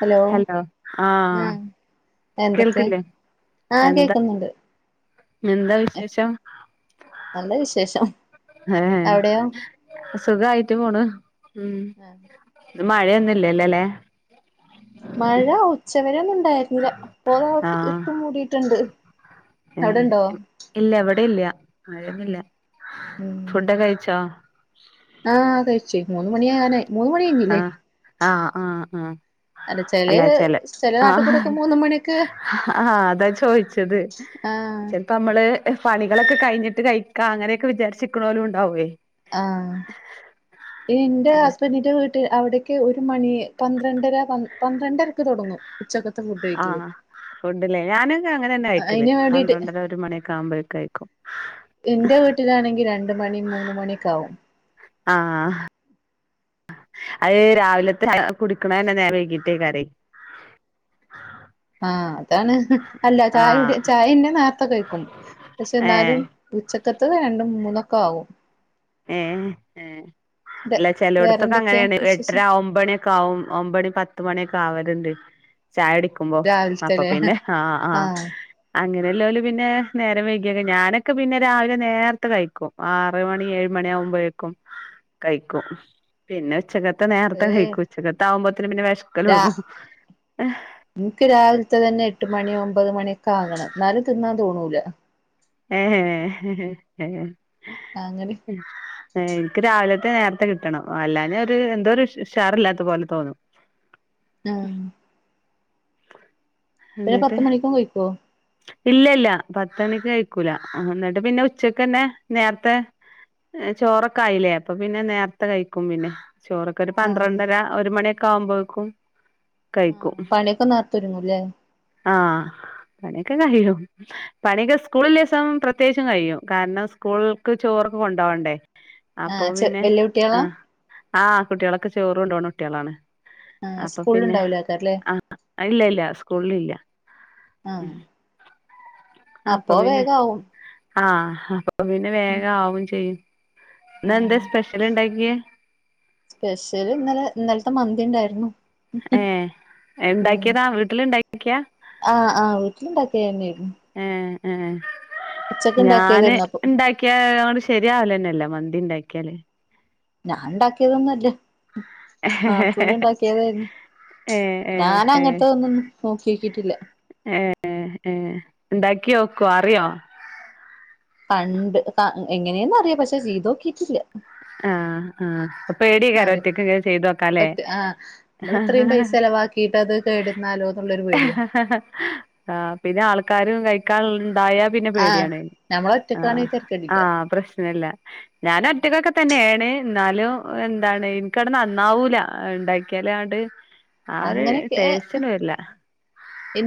Hello ഉം എന്തൊക്കെ കേൾക്കില്ലേ ആഹ് എന്താ കേക്കുന്നുണ്ട് എന്താ വിശേഷം നല്ല വിശേഷം ഏഹ് അവിടെയോ സുഖായിട്ട് പോണ് ഉം ഇന്ന് മഴയൊന്നുല്ല ല്ലല്ലേ മഴ ഉച്ചവരെന്നുണ്ടായിരുന്നില്ല ഇപ്പോ താ ആഹ് ഇരുട്ട് മൂടിയിട്ടുണ്ട് ഏ അവിടെണ്ടോ ഇല്ല ഇവിടെ ഇല്ല മഴൊന്നില്ല ഉം ഫുഡ്‌ കഴിച്ചോ? ആഹ് കഴിച്ച് മൂന്ന് മണിയാകാനായി ആഹ് ആഹ് ആഹ് ആ അല്ല ചെല നാട്ടിൽ ആഹ് കൂടൊക്കെ മൂന്ന് മണിക്ക് ഹാ അതാ ചോദിച്ചത് ആഹ് ചെലപ്പോ നമ്മള് പണികളൊക്കെ കഴിഞ്ഞിട്ട് കഴിക്ക അങ്ങനെയൊക്കെ വിചാരിച് ക്ക്ണ്ണോരുണ്ടാവുവേ ആഹ് എന്റെ അതെ ഹസ്ബൻഡിന്റെ വീട് അവിടേക്ക് ഒരു മണി പന്ത്രണ്ടര പന്ത്രണ്ടരക്ക് തൊടങ്ങും ആഹ് ഫുണ്ടല്ലേ ഞാനൊക്കെ അങ്ങനന്നെ കൈയിക്കല് അതിന് വേണ്ടിട്ട് പന്ത്രണ്ടര ഒരു മണിയൊക്കെ ആവുംമ്പഴ്ക്കെ കൈക്കും എന്റെ വീട്ടിലാണെങ്കി രണ്ട് മണി മൂന്ന് മണിയൊക്കാവും. ആഹ് അത് രാവിലത്തെ കുടിക്കണന്നെ നേരം വൈകീട്ടേക്കാറി ആഹ് അതാണ് അല്ല ചായകുടി ആഹ് ചായന്റെ നേര്ത്ത കഴിക്കും പക്ഷെ എന്നാലും ഉച്ചക്കത്തത് രണ്ടും മൂന്നൊക്കെ ആവും ഏഹ് അല്ല വേറെ ചെലട്ത്തൊക്കെ എന്തൊക്കെയാ അങ്ങനെയാണ് എട്ടര വിശേഷം ഒംമ്പണി ക്കാവും ഒമ്പണി പത്ത് മണിയൊക്കാവലുണ്ട് ചായുടി ക്കുമ്പോ അപ്പൊ രാവിലത്തെല്ലേ പിന്നെ ആ ആ ആഹ് അങ്ങനെയുല്ലോലു പിന്നെ നേരം വൈക്കീക്ക ഞാനൊക്കെ പിന്നെ രാവിലെ നേര്ത്തെ കഴിക്കും ആറ് മണി ഏഴ് മണിയാവുംമ്പഴേക്കും കഴിക്കും പിന്നെ ഉച്ചകത്തെ നേര്ത്തെ ഏഹ് കഴിക്കും. ഉച്ചക്കത്തെ ആവുംമ്പോതേനും പിന്നെ വെശ്ക്കല് രാ തൊടങ്ങും എനിക്ക് രാവിലത്തെ തന്നെ എട്ട് മണിയോ ഒമ്പത് മണിയൊക്കാകണം എന്നാലും തിന്നാൻ തോന്നൂല ഏഹേ ഹേ ഹേ താങ്ങള് നിക്ക് രാവിലത്തെ നേരത്തെ കിട്ടണം അല്ലാഞ്ഞാ ഒരു എന്തോ ഒരു ഉഷ് ഉഷാർല്ലാത്തപോലെ തോന്നും ആഹ് പിന്നെ പത്ത് മണിക്കും കഴിക്കോ ഇല്ലല്ല പത്ത് മണിക്ക് കഴിക്കൂല ന്ന്ട്ട് പിന്നെ ഉച്ചക്കെന്നെ നേര്ത്തെ ചോറൊക്കെ ആയില്ലേ അപ്പൊ പിന്നെ നേരത്തെ കഴിക്കും പിന്നെ ചോറൊക്കെ ഒരു പന്ത്രണ്ടര ഒരു മണിയൊക്കെ ആവുമ്പോക്കും ആഹ് കഴിക്കും പണിയൊക്കെ നേരത്തെ ഒരുങ്ങൂല്ലേ ആഹ് പണിയൊക്കെ കഴിയും പണിയൊക്കെ സ്കൂള് ള്ളീസം പ്രത്യേകിച്ചും കഴിയും കാരണം സ്കൂൾക്ക് ചോറൊക്കെ കൊണ്ടോവാണ്ടെ അപ്പൊ ആഹ് ചെ പിന്നെ വല്യ കുട്ടികളാ ആഹ് ആഹ് കുട്ട്യളൊക്കെ ചോറൊണ്ടോണ കുട്ട്യളാണ് ആഹ് അപ്പ സ്കൂളിൽ പിന്നെ ഉണ്ടാവൂലേക്കാരല്ലേ ആഹ് ഇല്ല ഇല്ല സ്കൂള് ഇല്ല ഉം ആഹ് അപ്പൊ പിന്നെ ആഹ് അ പ്പം പിന്നെ വേഗാവും ചെയ്യും ഇന്നെന്തേ സ്പെഷ്യൽ ഇണ്ടാക്കിയേ സ്പെഷ്യല് ഇന്നലെ ഇന്നൽത്തെ മന്തി ഇണ്ടായിരുന്നു ഏഹ് ഉം ഇണ്ടാക്കിയതാ വീട്ടില്ണ്ടാക്കിയ ആഹ് ആഹ് വീട്ടിലിണ്ടാക്കിയതെ ന്നേര്ന്നു ഏഹ് ഏഹ് ഞാന് ഉണ്ടാക്കിയതായിരുന്നു അപ്പൊ ഇണ്ടാ ക്ക് അങ്ങട് ശരിയാവലെന്നെല്ല മന്തി ഇണ്ടാക്കിയാല് ഞാൻ ഇണ്ടാക്കിയതൊന്നു അല്ല ഏഹ് നാത്തൂന് ഇണ്ടാക്കിയതേര്ന്നു ഏഹ് ഞാന അങ്ങൻത്തെതൊന്നും നോക്കിയോക്കിട്ടില്ല ഏഹ് ഏഹ് ഇണ്ടാക്കിയോക്കോ അറിയോ പണ്ട് എങ്ങനേന്നറിയാ പക്ഷെ ചെയ്തോക്കിട്ടില്ല ആഹ് ആഹ് അപ്പൊ പേടിയെയ്ക്കാരല്ലേ ആര് ഒറ്റക്ക് ചെയ്തു നോക്കാലേ പറ്റ ആഹ് നമ്മള് ഇത്രയും പൈസ ചെലവാക്കിയിട്ട് അത് കേടന്നാലോ ന്നുള്ളൊരു പേടി ഹ് ഹ ഹ ഹ ആഹ് പിന്നെ ആൾക്കാരും കഴിക്കാൻ ഇണ്ടായ പിന്നെ ആഹ് പേടിയാണ് നമ്മള് ഒറ്റക്കാണെ ആഹ് ആ തെരക്കേടില്ല പ്രശ്നല്ല ഞാന് ഒറ്റക്കൊക്കെ തന്നെയാണ് എന്നാലും എന്താണ് ഇനിക്കങ്ങട് നന്നാവൂല ഇണ്ടാക്കിയാലാണ്ട് ആ ഒരു ടേസ്റ്റ്ണ്ട് വര്ല്ല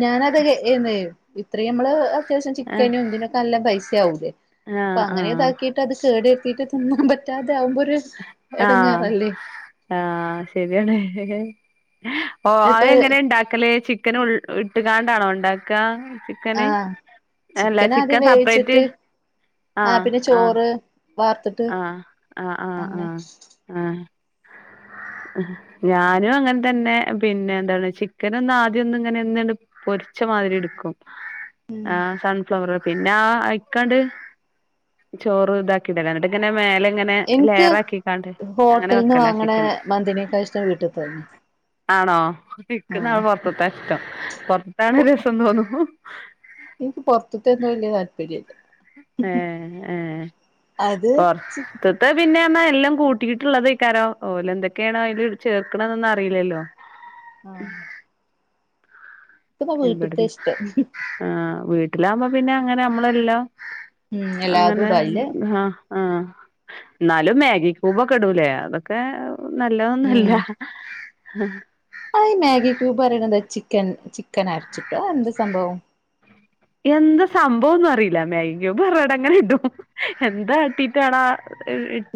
ഞാനതെ കരുതിയിരുന്നത് ഇത്രയും നമ്മള് അത്യാവശ്യം ആഹ് ചിക്കനും ഇതിനൊക്കെ നല്ല പൈസയാകൂലെ അപ്പൊ ആഹ് അങ്ങനെ ആഹ് ഇതാക്കി ട്ടത് കേട് വരുത്തിട്ട് തിന്നാ പറ്റാതെ ആകുമ്പോ ഒരു ആഹ് എടങ്ങേറല്ലേ ആഹ് ശരിയാണ് ഓഹ് അത് ഇതിപ്പോ എങ്ങനെ ഇണ്ടാക്കല് ചിക്കൻ ഇട്ടുകാണ്ടാണോ ഇണ്ടാക്കാ ചിക്കന് ആഹ് അല്ല ആദ്യം ചിക്കൻ സപ്പറേറ്റ് വേവിച്ചിട്ട് ആ ആഹ് പിന്നെ ആഹ് ചോറ് വാർത്തിട്ട് ആഹ് ആഹ് ആഹ് അങ്ങനെ ആഹ് ആഹ് ഞാനും അങ്ങൻതന്നെ പിന്നെ എന്താണ് ചിക്കന് ഒന്ന് ആദ്യൊന്ന് ഇങ്ങനെ ഇങ്ങട് പൊരിച്ചമാതിരി ഇട്ക്കും ഉം ആ സൺഫ്ലവർ പിന്നെ ആ അയിക്കണ്ട് ചോറ് ഇതാക്കിടലാണ് ഇങ്ങനെ മേല ഇങ്ങനെ എനിക്ക് ലെയർ ആക്കിക്കാണ്ട് അങ്ങനെ ഹോട്ടൽന്ന് വെക്കല വാങ്ങണ ചിക്കന് മന്തിനേക്കാ ഇഷ്ടം വീട്ടിൽ തന്നെ ആണോ ഇക്ക്ന്നാ ആഹ് പൊറത്ത്ത്താ ഇഷ്ടം പൊർത്ത്ത്താണ് രസം തോന്നുമ്പം ഇൻക്ക് പോറത്ത്ത്തൊന്നും വലിയ താല്പര്യല്ല ഏഹ് ഏഹ് അത് പൊർത് ത്തെ പിന്നെ ന്നർണ എല്ലം കൂട്ടിയിട്ടുള്ളതെയ്ക്കാരം ഓലെ ന്തൊക്കെയാണോ അയില് ചേർക്ണേ നൊന്നും അറീലല്ലോ ആഹ് ഇപ്പ വീട്ടത്തെ ഇവിട്ന്ന് ഇഷ്ടം ആഹ് വീട്ടിലാവുമ്പോ പിന്നെ അങ്ങനെ നമ്മളെല്ലം ഉം എല്ലാതും അങ്ങനെ ഇടും അയില് ആഹ് ആഹ് അന്നാലും മാഗിക്കൂബൊക്കെ ഇടൂലേ അതൊക്കെ നല്ലതൊന്നുവല്ല. [inaudible] അയെന്ന ഈ മാഗി ക്യൂബ് പറയുന്നത് ചിക്ക ചിക്കൻ അരച്ചിട്ടോ അതെന്ത് സംഭവം? എന്താ സംഭവം ഒന്നും അറിയില്ല. മേഗീക്യൂബ് പറഞ്ഞിട്ടങ്ങനെ ഇടും. എന്താ ആട്ടീട്ടാടാ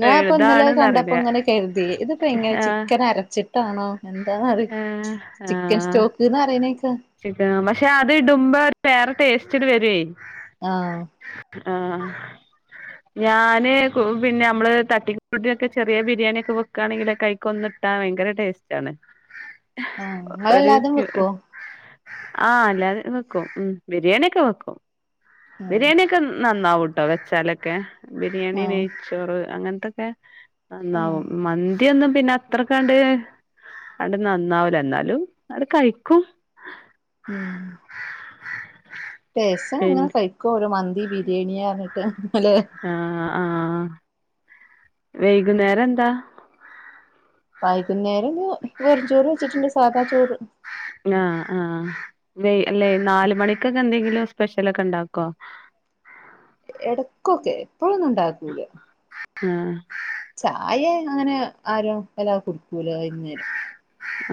ഞാൻ ഇപ്പ ഇന്നലെ കണ്ടപ്പോ ഇങ്ങനെ കേരുതി. ഇതിപ്പോ ഇങ്ങനെ ആഹ് ചിക്കൻ അരച്ചിട്ടാണോ? എന്താന്നറീ ആഹ് ചിക്കൻ സ്റ്റോക്ക്ന്ന് അറീണേക്കാ ചിക്കന് പക്ഷെ അത് ഇടുമ്പോ വേറെ ടേസ്റ്റ് വരുവേയ്. ആഹ് ആഹ് [inaudible] ഞാന് പിന്നെ നമ്മള് തട്ടിക്കൂട്ടിനൊക്കെ ചെറിയ ബിരിയാണിയൊക്കെ വെക്കാണെങ്കിലൊക്കെ അയിക് കൊന്നിട്ട ഭയങ്കര ടേസ്റ്റ് ആണ്. ആ ഒരു ഇങ്ങളെല്ലാതും വെക്കുവോ? ആ അല്ലാതേം വെക്കും. മ്മ് ബിരിയാണിയൊക്കെ വെക്കും. ഉം ബിരിയാണിയൊക്കെ നന്നാ- ന്നാവൂട്ടോ വെച്ചാലൊക്കെ. ബിരിയാണി, ആഹ് നെയ്ച്ചോറ് അങ്ങനത്തൊക്കെ ആഹ് നന്നാവും. മന്തി ഒന്നും പിന്നെ അത്രക്കങ്ങട് ആണ്ട് നന്നാവൂല്ല. എന്നാലും അങ്ങട് കഴിക്കും. മ്മ് ടേസ്റ്റാ അങ്ങനെ പിന്നെ കഴിക്കോ ഒരോ മന്തി ബിരിയാണിയാറഞ്ഞിട്ട് അല്ലേ. അ ആ വൈകുന്നേരം എന്താ? വൈകുന്നേരം ഇന്ന് വെറും ചോറ് വെച്ചിട്ടുണ്ട്. സാധാ ചോറ്. ആ ആ അല്ലെ നാല് മണിക്കൊക്കെ എന്തെങ്കിലും സ്പെഷ്യലൊക്കെ ഇണ്ടാക്കോ? ഇടക്കൊക്കെ എപ്പോഴൊന്നും ഉണ്ടാക്കൂല. ആ ചായെ അങ്ങനെ ആരും വല്ലാ കുടടിക്കൂല വൈകുന്നേരം.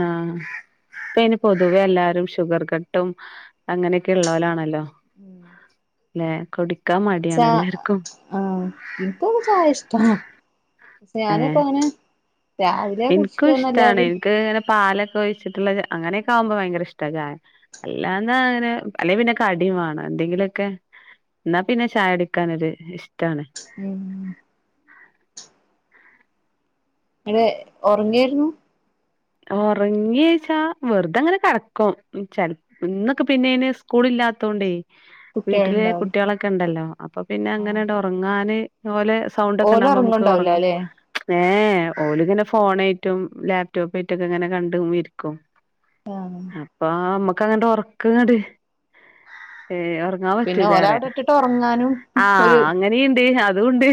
ആ ഇപ്പോ അതിന് പൊതുവെ എല്ലാരും ഷുഗർ കട്ടും അങ്ങനെയൊക്കെ ഇള്ളോലാണല്ലോ. ഉം ല്ലെ കുടിക്കാൻ മടിയാണ് എല്ലാർക്കും. ആം. എനിക്കൊക്കെ ചായ ഇഷ്ടാ. ഏ രാവിലെ എനിക്കും ഇഷ്ടാണ്. കുടിച്ചിട്ടന്നല്ലാതെ എനിക്ക് ഇങ്ങനെ പാലൊക്കൊഴിച്ച് വച്ചിട്ടുള്ള അങ്ങനൊക്കെ ആകുമ്പോ ഭയങ്കര ഇഷ്ടാ ചായ. അല്ലാന്ന അങ്ങനെ അല്ലെ പിന്നെ കടി വേണം എന്തെങ്കിലും ഒക്കെ. എന്നാ പിന്നെ ചായ എടിക്കാൻ ഒരു ഇഷ്ടാണ്. ഉം അതെ ഒറങ്ങിയിരുന്നു. ഒറങ്ങിച്ചാ വെറുതെ അങ്ങനെ കിടക്കും ചെല്പോ ഇന്നൊക്കെ പിന്നെ അയിനെ സ്കൂള് ഇല്ലാത്തോണ്ടേ വീട്ടില് കുട്ടികളുണ്ടാവും കുട്ടികളൊക്കെ ഇണ്ടല്ലോ അപ്പൊ പിന്നെ ആഹ് അങ്ങനണ്ട് ഉറങ്ങാന് ഇന്ന പോലെ സൗണ്ട് ഒക്കെ ഓല് ഉണ്ടാവുമ്പോ നമുക്ക് ഉറങ്ങുണ്ടാവൂല ഉറങ്ങാ അല്ലെ ഏ ഓല് ഇങ്ങനെ ഫോണായിട്ടും ലാപ്ടോപ്പായിട്ടും ഒക്കെ ഇങ്ങനെ കണ്ട് ഇരി ക്കും. അപ്പ അമ്മക്ക് അങ്ങട്ട് ഒറ ക്കങ്ങ്ട് ഒറങ്ങാൻ പിന്നെ പറ്റൂല ഓലെ കൊറെ. അവിടെ ഇട്ടിട്ട് ഉറങ്ങാനും ആ ഒരു അങ്ങ നീണ്ട് അതൂണ്ട്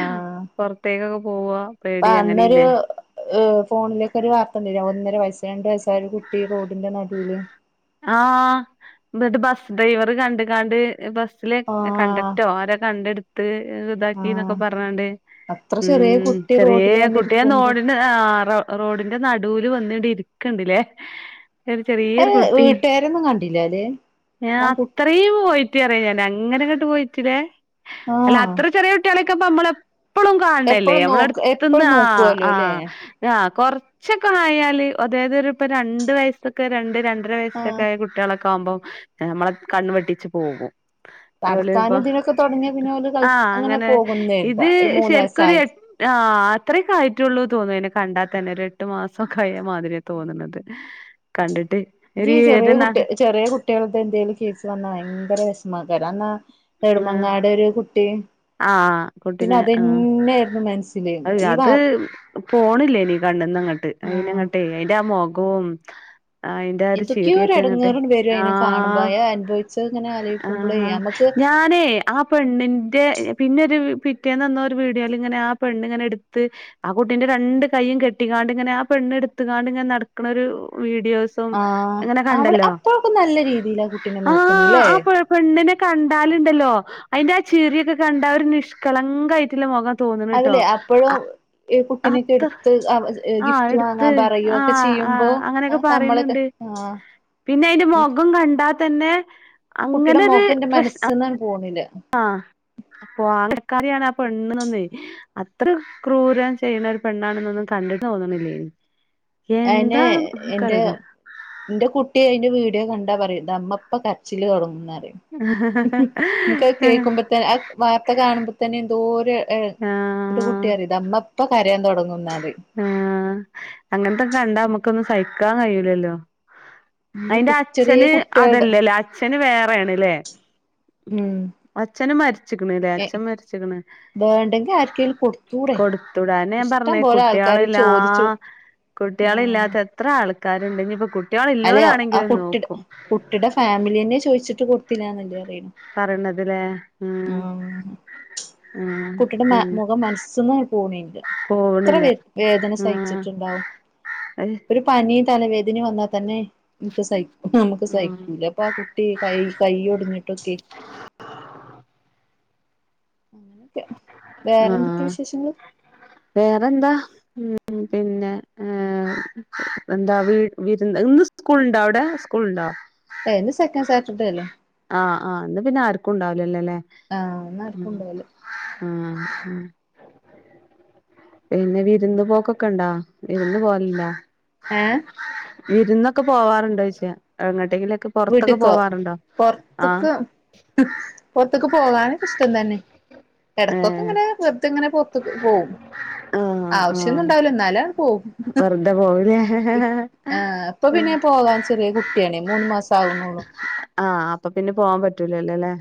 ആഹ് ത്തേക്കൊക്കെ പോവ്വാ പ്പ അന്നൊരു ഏ ഫോണിലൊക്കെ ഒരു വാർത്തണ്ടല്ലോ ഒന്നര വയസ് രണ്ടു വയസ്സായ ഒരു കുട്ടി റോഡിന്റെ നടുവില് ആ എന്നിട്ട് ബസ് ഡ്രൈവറ് കണ്ട്കാണ്ട് ബസ് ലെ ആഹ് കണ്ടക്ടറോ ആരോ കണ്ടെടുത്ത് ആഹ് ഇതാക്കിന്നൊക്കെ പറഞ്ഞാണ്ട് അത്ര ചെറിയ ഉം കുട്ടി ചെറിയ റോഡിൽ വന്നിരിക്കുമ്പോ കുട്ടിയനോട്ന് ആ റോ റോഡിന്റെ നടൂല് വന്നണ്ട് ഇരിക്ക്ണ്ട്ല്ലേ ഒരു ചെറിയൊരു അത് കു ട്ടി വീട്ടുകാരൊന്നും കണ്ടില്ലല്ലേ [unintelligible] ഞാൻ കു അത്രീം പോയിറ്റ് അറിയ ഞാൻ അങ്ങനെ അങ്ങോട്ട് പോയിട്ടില്ലേ അല്ല ആഹ് അത്ര ചെറിയ കുട്ടികാള് ക്ക നമ്മളെപ്പളും കാണ്ണല്ലേ എപ്പഴും നമ്മള നോക്ക് അടുത്ത്ന്ന് എപ്പഴും ആ നോക്കുവല്ലോ ആ അല്ലേ ആ കൊർച്ചൊക്കെ ആയാല് അതായത് ഒരു ഇപ്പ രണ്ട് വയസ്സൊക്കെ രണ്ട് രണ്ടര വയസ് ആഹ് ക്കെ കുട്ടികാളൊക്കെ ആവുമ്പോം നമ്മളെ കണ്ണ് വെട്ടിച്ച് പോകും ഉ [unintelligible] അതുപോലെ ഇപ്പൊ നടക്കാനും ഇതിനൊക്കെ തുടങ്ങിയ പിന്നെ ഓല് അങ്ങനെ പോകുന്നര് താ ഇത് ഒരു മൂന്ന് ശരിക്കൊരു വയസായി എ ആ അത്രക്കേ ആയിറ്റുള്ളൂ തോന്ന അതിനെ കണ്ടാത്തന്നെ ഒരു എട്ട് മാസൊക്കെ ആയ മാതിരിയ തോന്നുന്നത് കണ്ടിട്ട് ഇൻക്കീ ഒരു ചെറ്യേ ഒരു നട കുട്ടേ ചെറ്യേ കുട്ട്യാൾത് എന്തേലും കേക്കാന്ന ഭയങ്കര വെഷമാക്കാരം അന്നാ നെടുമങ്ങാട് ഒരു കുട്ടി ആഹ് പിന്നെ കുട്ടിനെ ആ അതന്നെയായിരുന്നു മനസ്സില് അയ് ഈ വ അത് പോണില്ലേനി കണ്ണ്ന്നങ്ങ ട്ട് ആ അയിനെങ്ങട്ടെ അയിന്റെ ആ മൊഖൂം ആ അയിന്റെ ആ ഒരു എന്തൊക്കെയോ ചിരിയൊക്കങ്ങട്ട് എടങ്ങേറ് വരും അയിനെ കാണുമ്പോ ആഹ് അയാ അനുഭവിച്ചത് ഇങ്ങനെ ആലോചിക്കുമ്പളേ ആഹ് നമ്മക്ക് ഞാ ഞാനേ ആ പെണ്ണിന്റെ പിന്നെ ഒരു പിറ്റേന്ന് എന്നോ ഒരു വീഡിയോയില് ഇങ്ങനെ ആ പെണ്ണ് ഇങ്ങനെ ഇട്ത്ത് ആ കുട്ടിന്റെ രണ്ട് കൈയും കെട്ടിക്കാണ്ടിങ്ങനെ ആ പെണ്ണ് ഇട്ത്ത് കാണ്ടിങ്ങനെ നടക്ക്ണൊരു വീഡിയോ സും ആ ഇങ്ങനെ അവിടെ കണ്ടല്ലോ അപ്പോഴൊക്കെ നല്ല രീതിയിലാ കുട്ടീനെ നോക്കണല്ലേ ആ പെ പെണ്ണിനെ കണ്ടാലുണ്ടല്ലോ അയിന്റെ ആ ചിറിയൊക്കെ കണ്ടാ ഒരു നിഷ്കളങ്ക ആയിട്ട്ള്ള മൊഖം അതില്ലേ അപ്പഴും ഈ കുട്ടിന്യൊക്കെ അത്ര എടുത്ത് ആഹ് ഗിഫ്റ്റ് എടുത്ത് വാങ്ങാൻ പറയൊക്കെ ആഹ് ചെയ്യുമ്പോ ആഹ് അങ്ങനെയൊക്കെ അതൊക്കൊ നമ്മളൊക്കെ പറയണണ്ട് ആഹ് പിന്നെ അയ്ന്റെ മൊഖം കണ്ടാ തന്നെ അങ്ങനെ ഒരു പ്രശ് അട്ത്ത്ന്നാണ്ട് പോണില്ല അഹ് അപ്പൊ [unintelligible] യാണ് ആ പെണ്ണ് നിന്നേ അത്ര ക്രൂരം ചെയ്യ്ണൊരു പെണ്ണാണ്നൊന്നും കണ്ടിട്ട് തോന്നണില്ലേനി എന്താ ഇൻകറില ഇന്റെ കുട്ടി അയിന്റെ വീഡിയോ കണ്ടാ പറയും ഇതാ ഇമ്മപ്പം കരച്ചില് തൊടങ്ങും ന്നറയും ഇൻക്കത് കേക്കുമ്പത്ത ആ വാർത്ത കാണുമ്പ തന്നെ എന്തോ ഒരു ഇൻ്റെ കുട്ടി ആഹ് പറിം ഇതാ ഉമ്മ ഇപ്പം കരയാൻ തൊടങ്ങും ന്നറിം ആഹ് അങ്ങൻത്തൊക്കെ കണ്ടാ നമ്മക്കൊന്നും സഹിക്കാൻ കയ്യൂലല്ലോ ഈ അയിന്റെ ചെറിയ അച്ഛന് കുട്ടികളുടെ അതല്ലലെ അച്ഛന് വേറെയാണ് ലെ ഉം അച്ഛന് മരിച്ചിക്ക്ണ് ലെ ഏ അച്ഛൻ മരിച്ചിക്ക്ണ് വേണ്ടെങ്കി ആർക്കേലും കൊടുത്തൂടെ കൊടുത്തൂടേ അതെന്നേ ഞാൻ ഇഷ്ടം പറഞ്ഞേ പോലെ ആൾക്കാര് കുട്ട്യോളില്ലാ ചോദിച്ചു ആഹ് കുട്ട്യാളില്ലാത്ത എത്ര ആൾക്കാര്ണ്ട് ഇഞ്ഞിപ്പം കുട്ട്യാളില്ലോലാണെങ്കിലും നോക്കും കുട്ടീടെ ഫാമിലിന്നെ ചോയ്ച്ചിട്ട് കൊട്ത്തിലാ എന്നല്ലേ പറിണത് പറിണത് ലേ ഉം ഉം കുട്ടിടെ മ ഉം മുഖം മനസ്സ്ന്നാ പോണില്ല. എത്ര പോവണില്ല വേ വേദന സഹിച്ചിട്ട്ണ്ടാവും. അഹ് പനിം തലവേദനിം വന്നാ തന്നെ ഇൻക്ക് സഹി നമ്മക്ക് ഉം സഹിക്കൂല. അപ്പാ കുട്ടി കൈ കൈ ഒടിഞ്ഞിട്ടൊക്കെ അങ്ങനെ ആഹ് വേറെന്താ? ഉം പിന്നെ ഏഹ് എന്താ വീ വിര് ഇന്ന് സ്കൂൾ ണ്ടോ അവടെ സ്കൂൾണ്ടോ? ഏഹ് ഇന്ന് സെക്കൻ് സാറ്റർഡേ അല്ലേ? ആഹ് ആഹ് ഇന്ന് പിന്നെ ആർക്കും ണ്ടാവുലല്ലേ ല്ലെ? ആഹ് ഇന്ന് ആർക്കും ണ്ടാവുല. ആഹ് ആഹ് പിന്നെ വിരുന്ന് പോക്കൊക്കെ ണ്ടാ വിരുന്ന് പോവല്ണ്ടാ? ഏഹ് വിരുന്നൊക്കെ പോവാറുണ്ടോ യ്ച്ച എങ്ങട്ടെങ്കിലൊക്കെ പൊർത്തൊക്കെ വീട്ടിക്കോ പോവാറുണ്ടോ? ആഹ് ഹ് പൊർത്ത്ക്ക് പോകാനൊക്ക ഇഷ്ടം തന്നെ എടക്കൊക്കെ ഏഹ് ഇങ്ങനെ വെർതെ ഇങ്ങനെ പോ പോവും ആഹ് ആവശ്യന്നും ആഹ് ഉണ്ടാവില്ല ഇന്നാല പോകും. വെറുതെ പോവുലേ ആഹ് ഇപ്പൊ പിന്നെ പോവാൻ ചെറിയ കുട്ട്യാണേ മൂന്ന് മാസം ആകുന്നുള്ളു. ആഹ് അപ്പ പിന്നെ പോവാൻ പറ്റൂലല്ലേ ല്ലെ?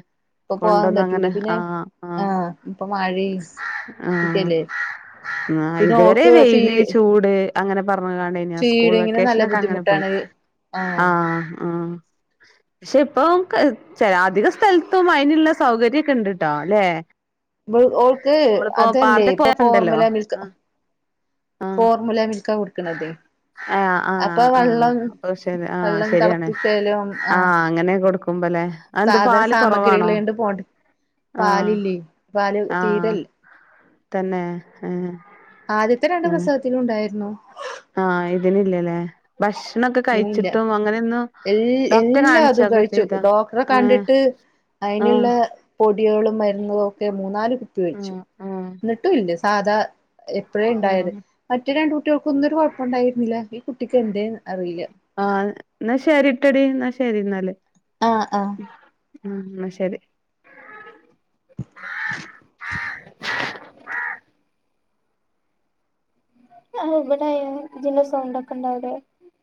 ഇപ്പൊ പോകാൻ കൊണ്ടന്ന പറ്റൂല അങ്ങനെ പിന്നെ ആഹ് ആഹ് ഇപ്പൊ മഴയും ആഹ് ഇതൊക്കെയല്ലേ ന്നാ പിന്നെ ഇതുവരെ ഓൾക്ക് ഫീ വെയില് ചൂട് അങ്ങനെ പർഞ്ഞ് കാ ണ്ടയ്ന ആഹ് സ്കൂൾ ഫീഡിങ്ങിന് നല്ല വെക്കേഷനെക്കെ അങ്ങനെ പോയി ബുദ്ധിമുട്ടാണ് ആഹ് ആഹ് പക്ഷെ ഇപ്പൊ ക്ക് ചെല അധിക സ്ഥൽത്തും അയിനുള്ള സൗകര്യം ഒക്കെ ഇണ്ട്ട്ടോ. ല്ലെ? ബള് ഓൾക്ക് നമ്മളിപ്പോ അതല്ലേ പാർക്കിൽ ഇപ്പൊ പോയാ ഉണ്ടല്ലോ ഫോർമില മിൽക്ക് ആഹ് ആഹ് ഫോർമില മിൽക്കാ കൊടുക്ക്ണതേ. ആഹ് ആഹ് ആഹ് അപ്പൊ ശരി ആഹ് വെള്ളം ശരിയാണ് തിളപ്പിക്കലും ആഹ് അങ്ങനെ കൊടുക്കുംമ്പലെ. അത് എന്താ പാല് കൊറവാണോ? പോട് പാലില്ലേ പാല് ആഹ് തീരേല്ല. തന്നെ ഏഹ് ആദ്യത്തെ രണ്ട് ഉം പ്രസവത്തിനും ഉണ്ടായിരുന്നു. ആഹ് ഇതിന് ഇല്ലല്ലേ? ഭക്ഷണം ഒക്കെ ഇതിനില്ല കഴിച്ചിട്ടും അങ്ങനെയൊന്ന് എ ഡോക്ടറെ എല്ലാതും കാണിച്ചോക്കെ ചെയ്തോ? ആഹ് ആഹ് അയിന്ള്ളേ പൊടിളും മരുന്നു ഒക്കെ മൂന്നാല് കുപ്പി കഴിച്ചു. ആഹ് ആഹ് എന്നിട്ടും ഇല്ല സാധാ ഇപ്പഴേ ഇണ്ടായത് ആഹ് മറ്റേ രണ്ട് കുട്ട്യൾക്കൊന്നും ഒരു കൊഴപ്പുണ്ടായിരുന്നില്ല ഈ കുട്ടിക്ക് എന്തേന്ന് അറിയില്ല. ആഹ് ന്നാ ശരിട്ടടി ന്നാ ശരി ന്നാല്. ആഹ് ആഹ് ഉം ന്നാ ശരി. ആഹ് ഇവടെ ആയ ഇതിന്റെ സൗണ്ട് ക്കെ ഉണ്ടോ അഒടെ?